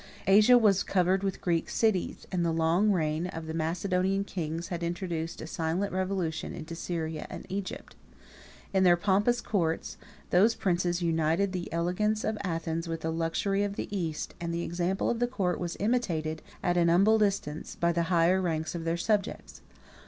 Asia was covered with Greek cities, and the long reign of the Macedonian kings had introduced a silent revolution into Syria and Egypt. In their pompous courts, those princes united the elegance of Athens with the luxury of the East, and the example of the court was imitated, at an humble distance, by the higher ranks of their subjects.